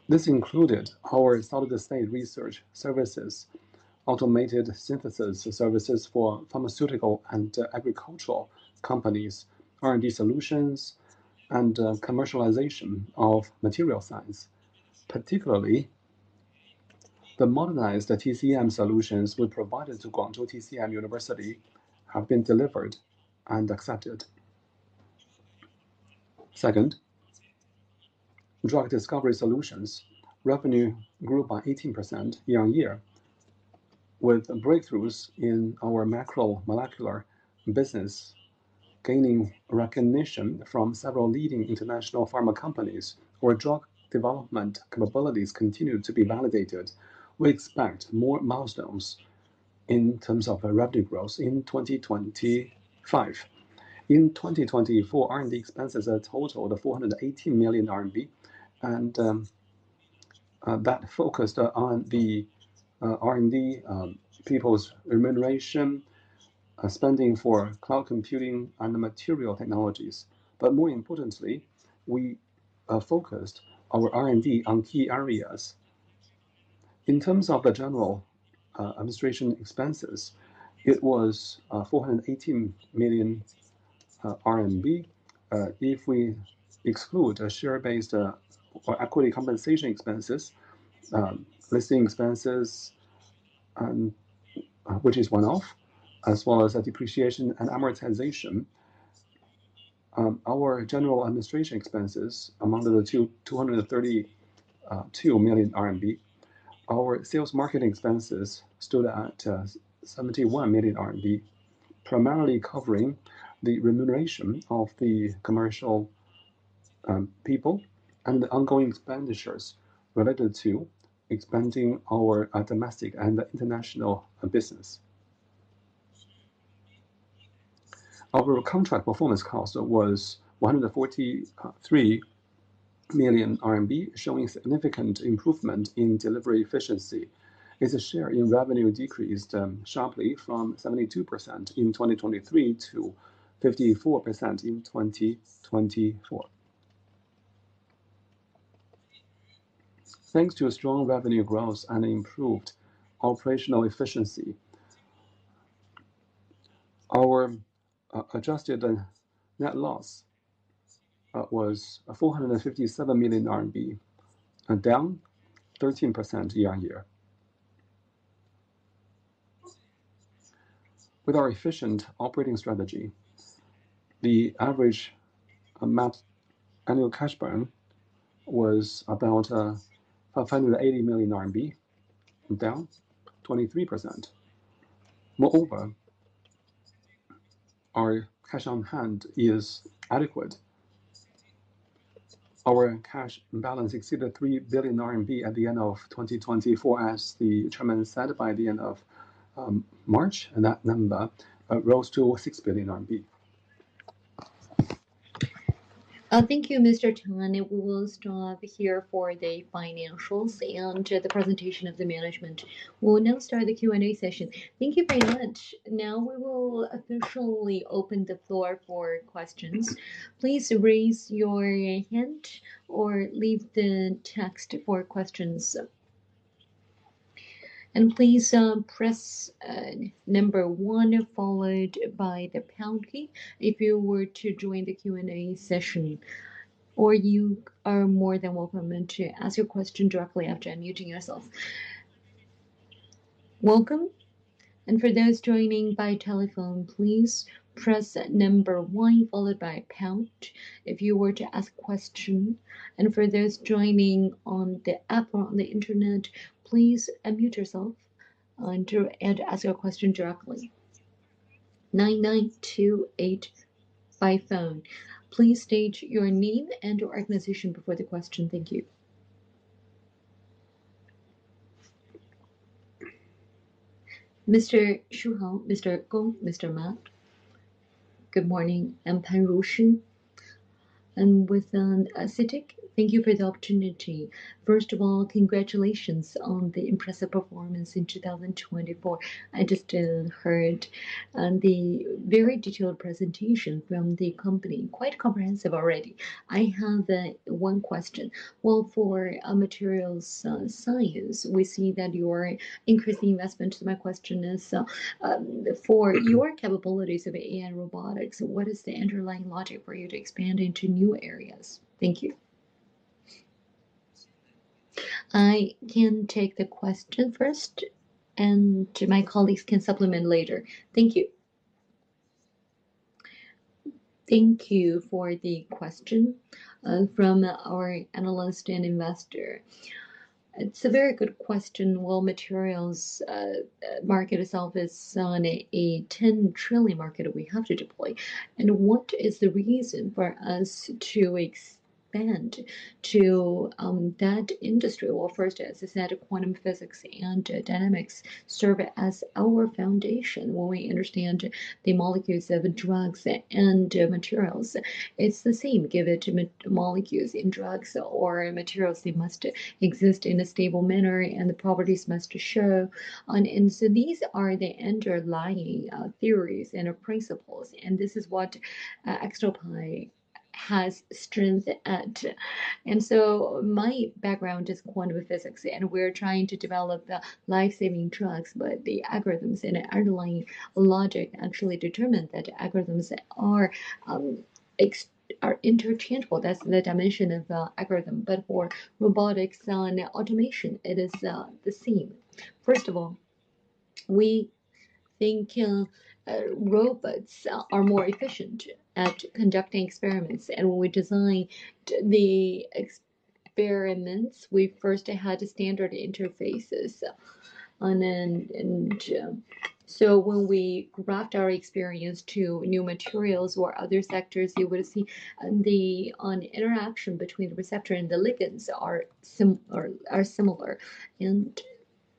This included our state-of-the-art research services, automated synthesis services for pharmaceutical and agricultural companies, R&D solutions, and commercialization of material science. Particularly, the modernized TCM solutions we provided to Guangzhou University of Chinese Medicine have been delivered and accepted. Second, drug discovery solutions. Revenue grew by 18% year-over-year with breakthroughs in our macromolecular business gaining recognition from several leading international pharma companies where drug development capabilities continue to be validated. We expect more milestones in terms of revenue growth in 2025. In 2024, R&D expenses totaled 480 million RMB, that focused on the R&D people's remuneration, spending for cloud computing, and material technologies. More importantly, we focused our R&D on key areas. In terms of the general administration expenses, it was 418 million RMB. If we exclude share-based or equity compensation expenses, listing expenses, which is one-off, as well as depreciation and amortization, our general administration expenses amounted to 232 million RMB. Our sales marketing expenses stood at 71 million RMB, primarily covering the remuneration of the commercial people and the ongoing expenditures related to expanding our domestic and international business. Our contract performance cost was 143 million RMB, showing significant improvement in delivery efficiency. Its share in revenue decreased sharply from 72% in 2023 to 54% in 2024. Thanks to a strong revenue growth and improved operational efficiency, our adjusted net loss was CNY 457 million, down 13% year-over-year. With our efficient operating strategy, the average amount annual cash burn was about CNY 580 million, down 23%. Moreover, our cash on hand is adequate. Our cash balance exceeded 3 billion RMB at the end of 2024. As the chairman said, by the end of March, that number rose to 6 billion RMB. Thank you, Mr. Tan. We will stop here for the financials and the presentation of the management. We will now start the Q&A session. Thank you very much. Now we will officially open the floor for questions. Please raise your hand or leave the text for questions. Please press number 1 followed by the pound key if you were to join the Q&A session, or you are more than welcome to ask your question directly after unmuting yourself. Welcome. For those joining by telephone, please press number 1 followed by pound if you were to ask a question. For those joining on the app or on the internet, please unmute yourself and ask your question directly. 9928 by phone. Please state your name and your organization before the question. Thank you. Mr. Shu Hao, Mr. Gong, Mr. Ma. Good morning. I am Pan Ruoxian, and with CITIC. Thank you for the opportunity. First of all, congratulations on the impressive performance in 2024. I just heard the very detailed presentation from the company, quite comprehensive already. I have one question. For materials science, we see that you are increasing investment. My question is, for your capabilities of AI and robotics, what is the underlying logic for you to expand into new areas? Thank you. I can take the question first, and my colleagues can supplement later. Thank you. Thank you for the question from our analyst and investor. It is a very good question. Materials market itself is on a 10 trillion market we have to deploy. What is the reason for us to expand to that industry? Well, first, as I said, quantum physics and dynamics serve as our foundation when we understand the molecules of drugs and materials. It is the same. Given two molecules in drugs or materials, they must exist in a stable manner, and the properties must show. These are the underlying theories and principles, and this is what XtalPi has strength at. My background is quantum physics, and we're trying to develop the life-saving drugs. The algorithms and underlying logic actually determine that algorithms are interchangeable. That's the dimension of the algorithm. For robotics and automation, it is the same. First of all, we think robots are more efficient at conducting experiments. When we design the experiments, we first had standard interfaces. When we graft our experience to new materials or other sectors, you would see the interaction between the receptor and the ligands are similar.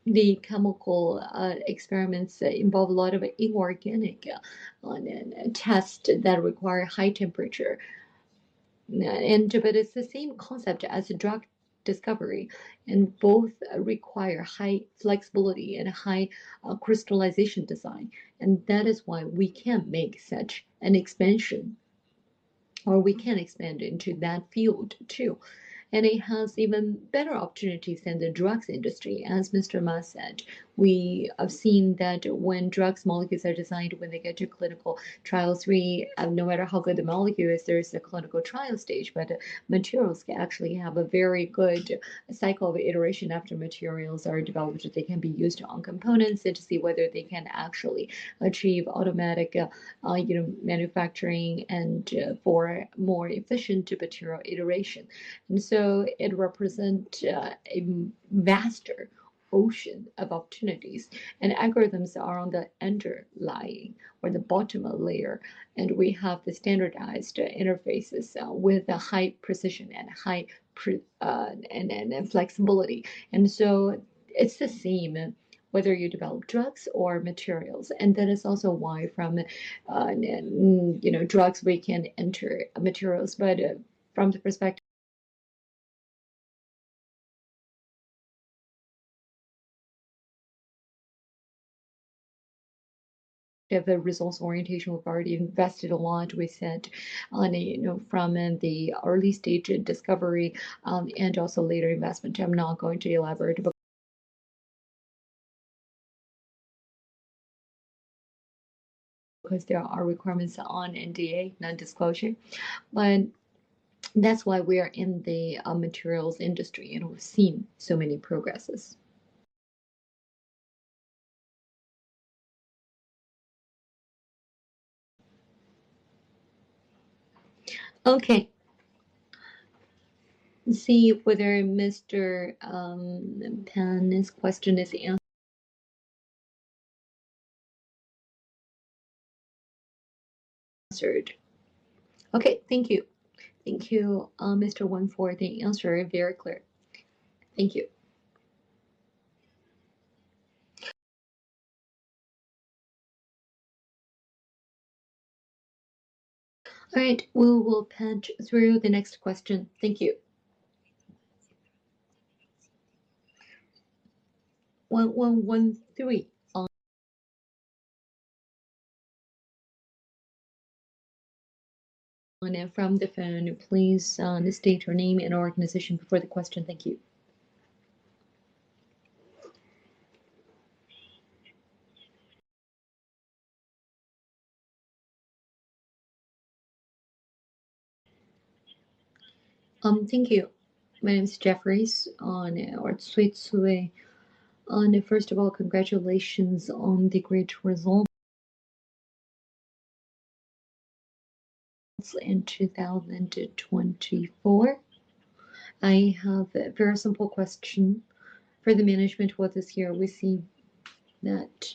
The chemical experiments involve a lot of inorganic tests that require high temperature. It's the same concept as drug discovery, and both require high flexibility and high crystallization design. That is why we can make such an expansion, or we can expand into that field, too. It has even better opportunities than the drugs industry. As Mr. Ma said, we have seen that when drugs molecules are designed, when they get to clinical trials, no matter how good the molecule is, there is a clinical trial stage. Materials actually have a very good cycle of iteration after materials are developed. They can be used on components and to see whether they can actually achieve automatic manufacturing and for more efficient material iteration. It represents a vast ocean of opportunities. Algorithms are on the underlying or the bottom layer, and we have the standardized interfaces with high precision and high flexibility. It's the same whether you develop drugs or materials. That is also why from drugs, we can enter materials. From the perspective of the results orientation, we've already invested a lot, we said, from the early-stage discovery and also later investment. I'm not going to elaborate because there are requirements on NDA, non-disclosure. That's why we are in the materials industry, and we've seen so many progresses. Okay. Let's see whether Mr. Pan, his question is answered. Okay, thank you. Thank you, Mr. Wang, for the answer. Very clear. Thank you. All right. We will page through the next question. Thank you. 1,113 on from the phone. Please state your name and organization before the question. Thank you. Thank you. My name is Jeffrey. First of all, congratulations on the great results in 2024. I have a very simple question for the management for this year. We see that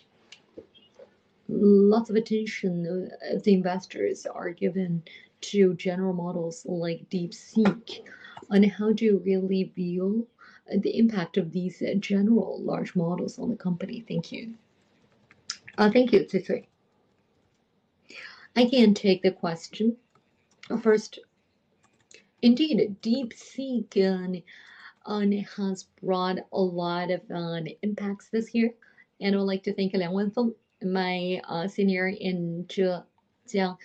lots of attention of the investors are given to general models like DeepSeek. How do you really view the impact of these general large models on the company? Thank you. Thank you, Jeffrey. I can take the question. First, indeed, DeepSeek has brought a lot of impacts this year, and I would like to thank Liang Wenfeng, my senior in Zhejiang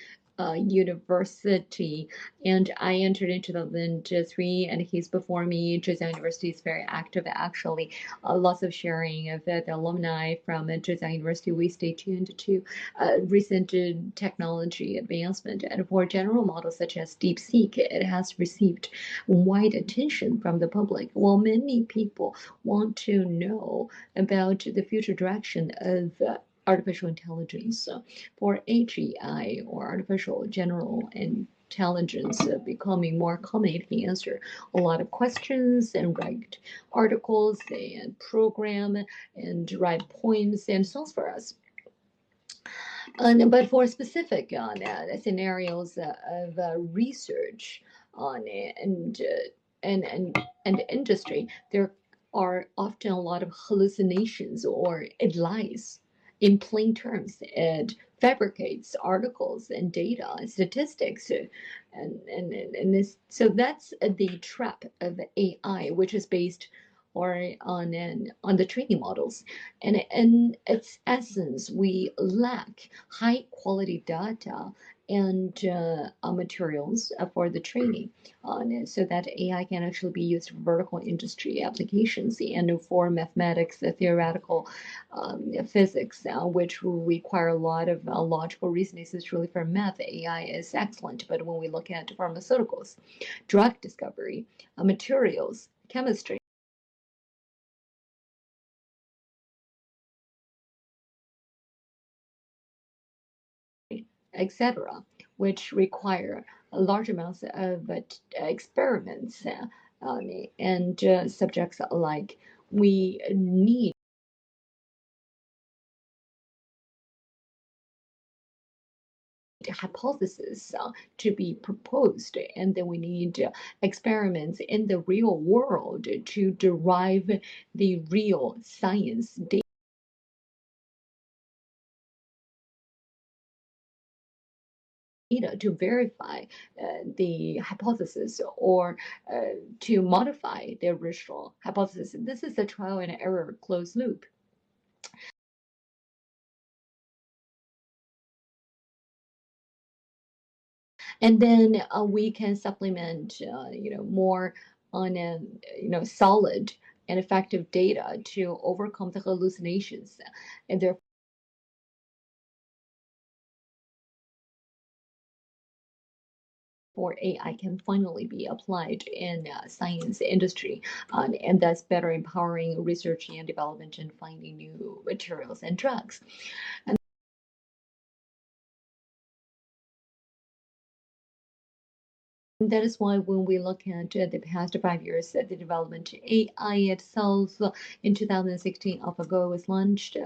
University. I entered into the industry, and he's before me. Zhejiang University is very active, actually. Lots of sharing of the alumni from Zhejiang University. We stay tuned to recent technology advancement. For general models such as DeepSeek, it has received wide attention from the public, while many people want to know about the future direction of artificial intelligence. For AGI, or artificial general intelligence, becoming more common, it can answer a lot of questions and write articles and program and write poems themselves for us. For specific scenarios of research and industry, there are often a lot of hallucinations, or it lies in plain terms. It fabricates articles and data and statistics. That's the trap of AI, which is based on the training models. In its essence, we lack high-quality data and materials for the training, so that AI can actually be used for vertical industry applications and for mathematics, theoretical physics, which will require a lot of logical reasoning. It's really for math, AI is excellent, when we look at pharmaceuticals, drug discovery, materials, chemistry, et cetera, which require large amounts of experiments and subjects alike, we need hypothesis to be proposed. Then we need experiments in the real world to derive the real science data to verify the hypothesis or to modify the original hypothesis. This is a trial-and-error closed loop. Then we can supplement more solid and effective data to overcome the hallucinations, therefore AI can finally be applied in the science industry. Thus better empowering research and development and finding new materials and drugs. That is why when we look at the past five years at the development of AI itself, in 2016, AlphaGo was launched.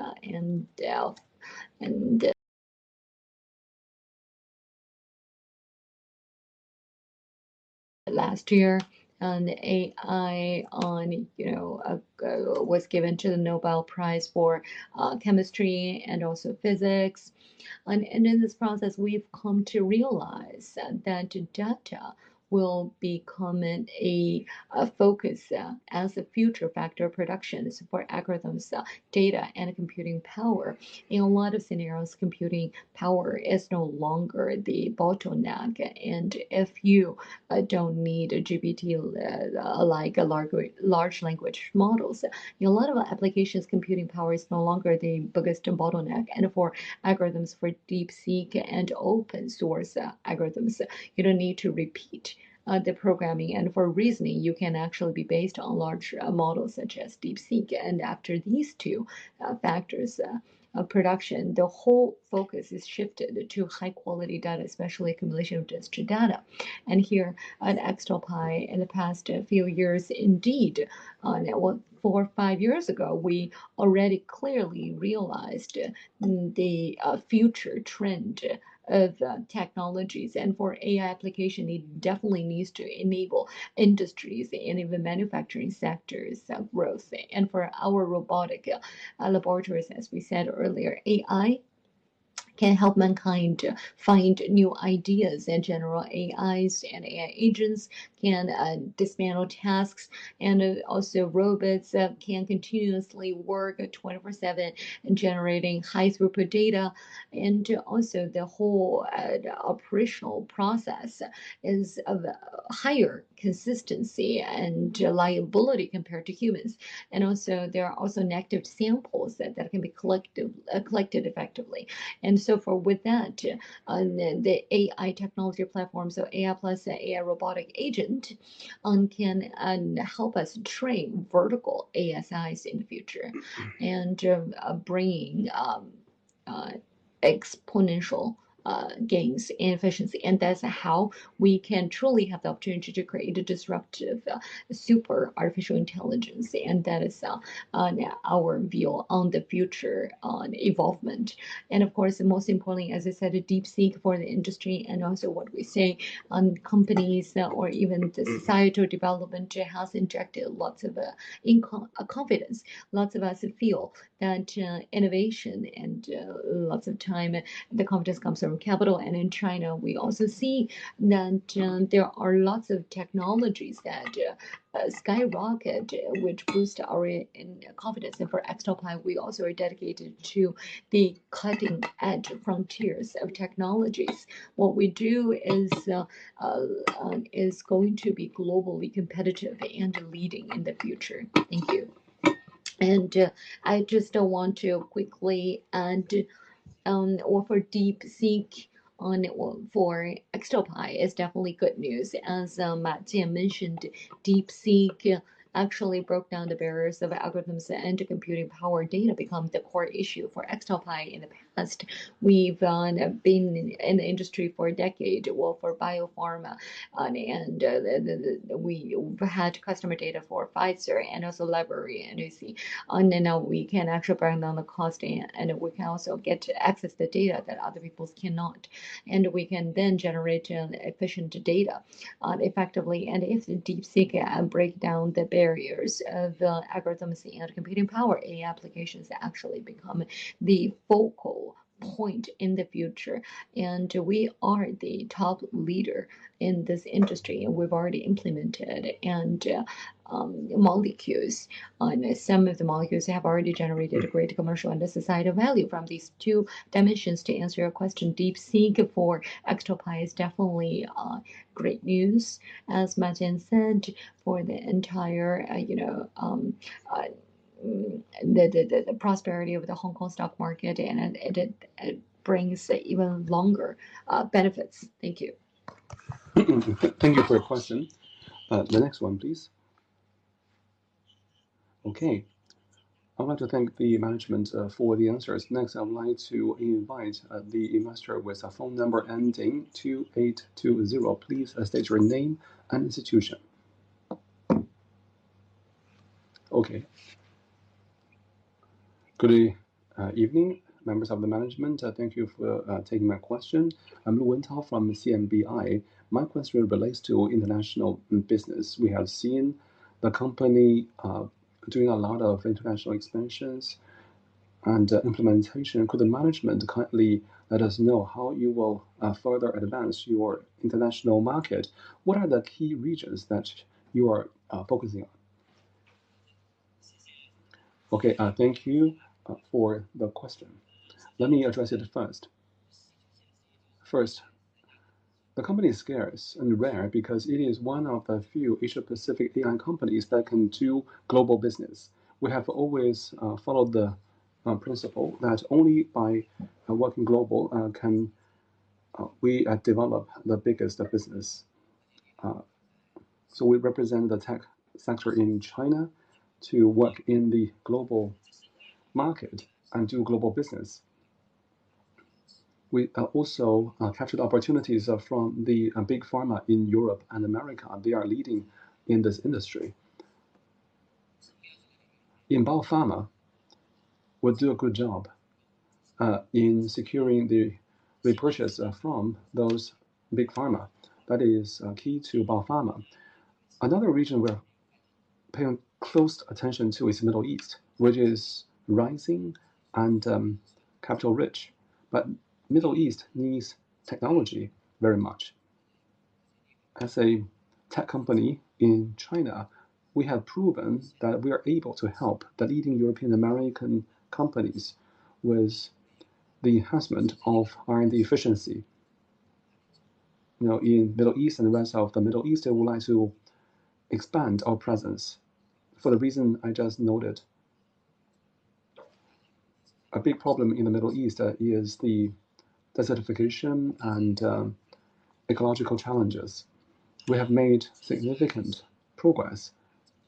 Last year, AI was given the Nobel Prize for chemistry and also physics. In this process, we've come to realize that data will become a focus as a future factor of production for algorithms, data, and computing power. In a lot of scenarios, computing power is no longer the bottleneck. If you don't need a GPT, like large language models, in a lot of applications, computing power is no longer the biggest bottleneck. For algorithms for DeepSeek and open-source algorithms, you don't need to repeat the programming. For reasoning, you can actually be based on large models such as DeepSeek. After these two factors of production, the whole focus is shifted to high-quality data, especially accumulation of digital data. Here at XtalPi, in the past few years, indeed, four or five years ago, we already clearly realized the future trend of technologies. For AI application, it definitely needs to enable industries and even manufacturing sectors of growth. For our robotic laboratories, as we said earlier, AI can help mankind find new ideas. In general, AIs and AI agents can dismantle tasks. Robots can continuously work 24/7 in generating high-throughput data. The whole operational process is of higher consistency and reliability compared to humans. There are also negative samples that can be collected effectively. For with that, the AI technology platform, so AI plus AI robotic agent, can help us train vertical ASIs in the future and bring exponential gains in efficiency. That's how we can truly have the opportunity to create a disruptive super artificial intelligence, and that is our view on the future involvement. Of course, most importantly, as I said, DeepSeek for the industry and also what we say on companies or even the societal development, it has injected lots of confidence. Lots of us feel that innovation and lots of time, the confidence comes from capital. In China, we also see that there are lots of technologies that skyrocket, which boost our confidence. For XtalPi, we also are dedicated to the cutting-edge frontiers of technologies. What we do is going to be globally competitive and leading in the future. Thank you. I just want to quickly add, for DeepSeek for XtalPi is definitely good news. As Ma Jian mentioned, DeepSeek actually broke down the barriers of algorithms and computing power. Data become the core issue for XtalPi in the past. We've been in the industry for a decade. Well, for biopharma, we had customer data for Pfizer and also Eli Lilly, and you see. Now we can actually bring down the cost, and we can also get to access the data that other peoples cannot. We can then generate efficient data effectively. If DeepSeek break down the barriers of algorithms and computing power, AI applications actually become the focal point in the future. We are the top leader in this industry, and we've already implemented molecules. Some of the molecules have already generated a great commercial and a societal value from these two dimensions. To answer your question, DeepSeek for XtalPi is definitely great news, as Ma Jian said, for the prosperity of the Hong Kong stock market, and it brings even longer benefits. Thank you. Thank you for your question. The next one, please. Okay. I want to thank the management for the answers. Next, I would like to invite the investor with a phone number ending 2820. Please state your name and institution. Okay. Good evening, members of the management. Thank you for taking my question. I'm Lu Wintao from CMBI. My question relates to international business. We have seen the company doing a lot of international expansions and implementation. Could the management kindly let us know how you will further advance your international market? What are the key regions that you are focusing on? Okay, thank you for the question. Let me address it first. First, the company is scarce and rare because it is one of the few Asia-Pacific AI companies that can do global business. We have always followed the principle that only by working global can we develop the biggest business. We represent the tech sector in China to work in the global market and do global business. We also captured opportunities from the big pharma in Europe and America. They are leading in this industry. In biopharma, we do a good job in securing the repurchase from those big pharma. That is key to biopharma. Another region we're paying close attention to is Middle East, which is rising and capital rich. Middle East needs technology very much. As a tech company in China, we have proven that we are able to help the leading European-American companies with the enhancement of R&D efficiency. In Middle East and the rest of the Middle East, we would like to expand our presence for the reason I just noted. A big problem in the Middle East is the desertification and ecological challenges. We have made significant progress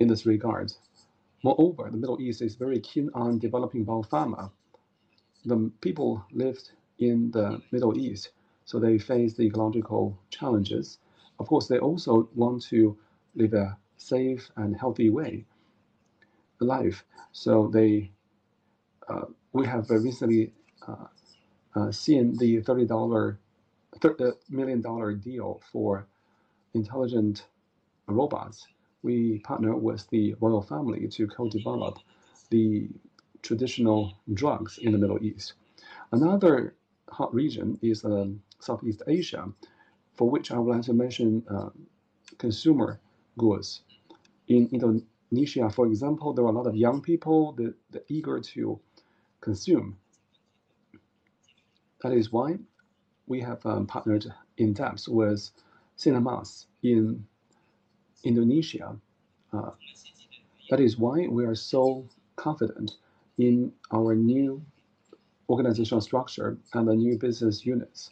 in this regard. Moreover, the Middle East is very keen on developing bio-pharma. The people lived in the Middle East, so they face the ecological challenges. Of course, they also want to live a safe and healthy way of life. We have very recently seen the $30 million deal for intelligent robots. We partner with the royal family to co-develop the traditional drugs in the Middle East. Another hot region is Southeast Asia, for which I would like to mention consumer goods. In Indonesia, for example, there are a lot of young people that are eager to consume. That is why we have partnered in depth with Sinar Mas in Indonesia. That is why we are so confident in our new organizational structure and the new business units.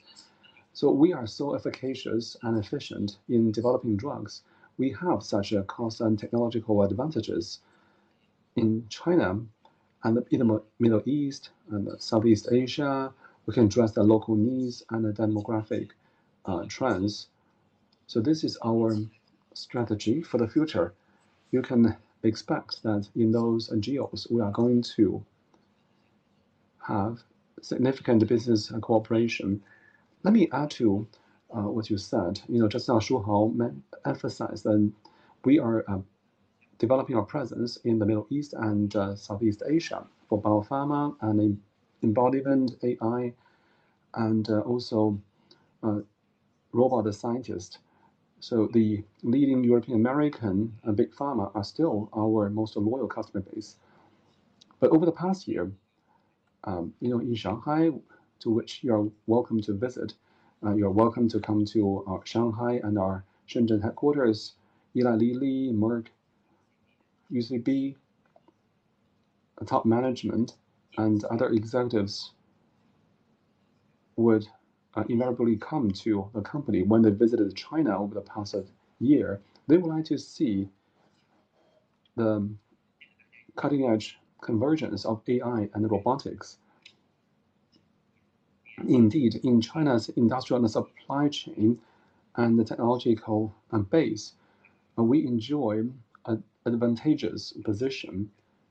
We are so efficacious and efficient in developing drugs. We have such a constant technological advantages in China and the Middle East and Southeast Asia. We can address the local needs and the demographic trends. This is our strategy for the future. You can expect that in those geos, we are going to have significant business cooperation. Let me add to what you said. Just now Shuhao emphasized that we are developing our presence in the Middle East and Southeast Asia for bio-pharma and in embodiment AI, and also robot scientist. The leading European American big pharma are still our most loyal customer base. Over the past year, in Shanghai, to which you're welcome to visit, you're welcome to come to our Shanghai and our Shenzhen headquarters, Eli Lilly, Merck, UCB, top management and other executives would invariably come to the company when they visited China over the past year. They would like to see the cutting-edge convergence of AI and robotics. Indeed, in China's industrial and supply chain and the technological base, we enjoy an advantageous position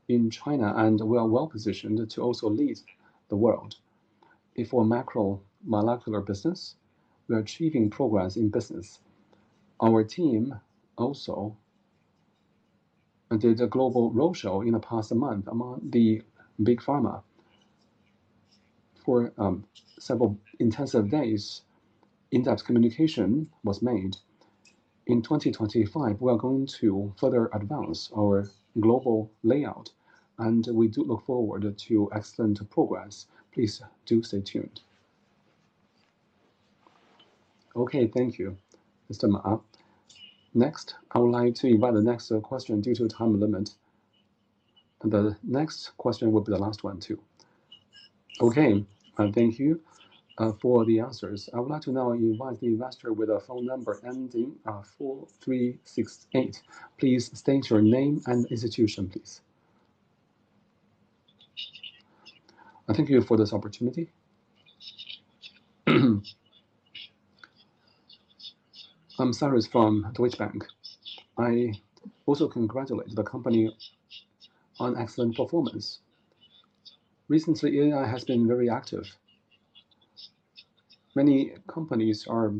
in China, and we are well-positioned to also lead the world. Before macromolecular business, we are achieving progress in business. Our team also did a global roadshow in the past month among the big pharma. For several intensive days, in-depth communication was made. In 2025, we are going to further advance our global layout, and we do look forward to excellent progress. Please do stay tuned. Thank you, Mr. Ma. Next, I would like to invite the next question due to time limit. The next question will be the last one, too. Thank you for the answers. I would like to now invite the investor with a phone number ending 4368. Please state your name and institution, please. Thank you for this opportunity. I'm Cyrus from Deutsche Bank. I also congratulate the company on excellent performance. Recently, AI has been very active. Many companies are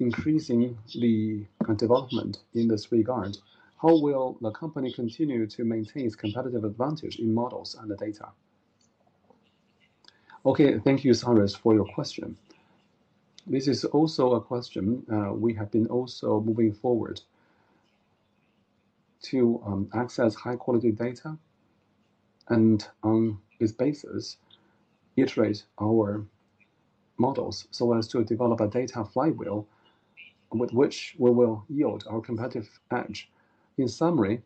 increasing the development in this regard. How will the company continue to maintain its competitive advantage in models and the data? Thank you, Cyrus, for your question. This is also a question we have been also moving forward to access high-quality data, and on this basis, iterate our models so as to develop a data flywheel with which we will yield our competitive edge. In summary,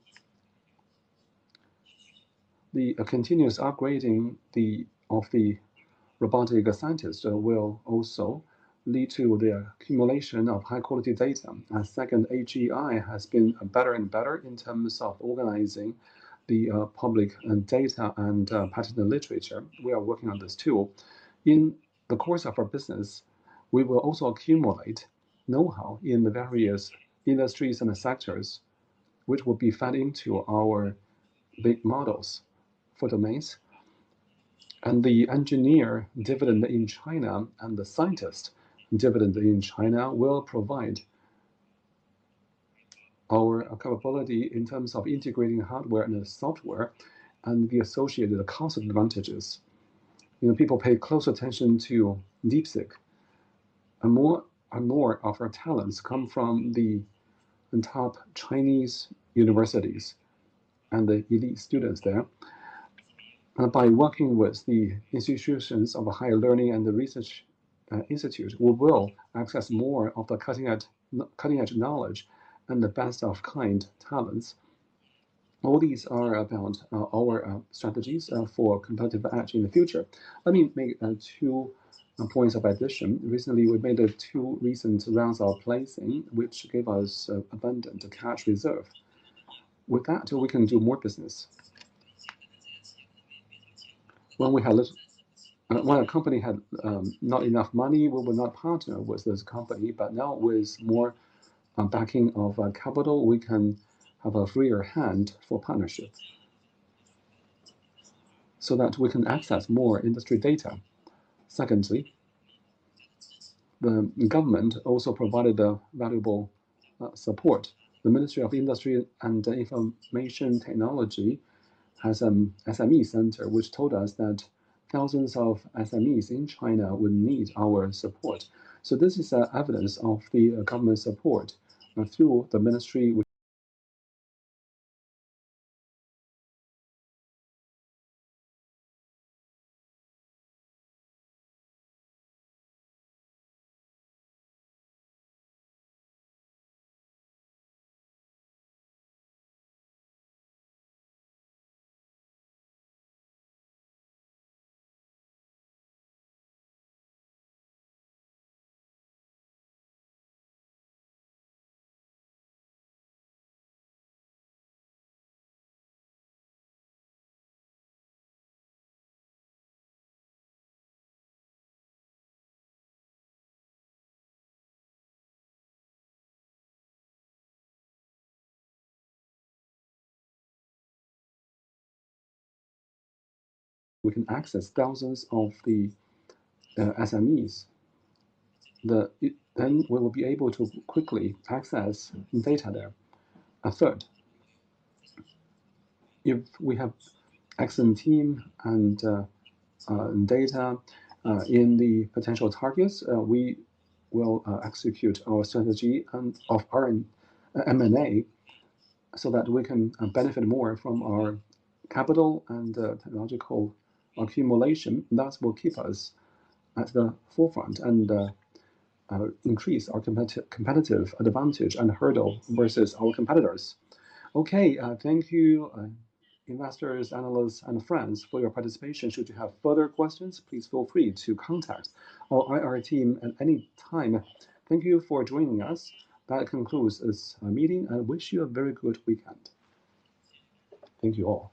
the continuous upgrading of the robotic scientist will also lead to the accumulation of high-quality data. Second, AGI has been better and better in terms of organizing the public data and patent literature. We are working on this tool. In the course of our business, we will also accumulate know-how in the various industries and sectors, which will be fed into our big models for domains. The engineer dividend in China and the scientist dividend in China will provide our capability in terms of integrating hardware and software and the associated cost advantages. More and more of our talents come from the top Chinese universities and the elite students there. By working with the institutions of higher learning and the research institute, we will access more of the cutting-edge knowledge and the best-of-kind talents. All these are about our strategies for competitive edge in the future. Let me make two points of addition. Recently, we made two recent rounds of placing, which gave us abundant cash reserve. With that, we can do more business. When a company had not enough money, we would not partner with this company. Now, with more backing of capital, we can have a freer hand for partnerships so that we can access more industry data. Secondly, the government also provided valuable support. The Ministry of Industry and Information Technology has an SME center which told us that thousands of SMEs in China will need our support. This is evidence of the government support through the ministry. We can access thousands of the SMEs. We will be able to quickly access data there. Third, if we have excellent team and data in the potential targets, we will execute our strategy of M&A so that we can benefit more from our capital and technological accumulation. That will keep us at the forefront and increase our competitive advantage and hurdle versus our competitors. Okay, thank you, investors, analysts, and friends for your participation. Should you have further questions, please feel free to contact our IR team at any time. Thank you for joining us. That concludes this meeting, and I wish you a very good weekend. Thank you all